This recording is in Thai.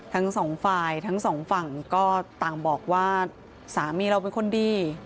ทั้งสองฝ่ายทั้งสองฝั่งก็ต่างบอกว่าสามีเราเป็นคนดี